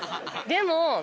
でも。